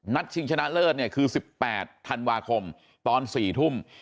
ชิงชนะเลิศเนี่ยคือ๑๘ธันวาคมตอน๔ทุ่ม